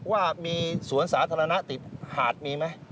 ว่ามีสวนสาธารณะติดหาดมีไหม